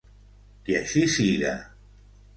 "Que així siga".